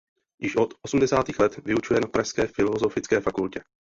Již od osmdesátých let vyučuje na pražské filozofické fakultě.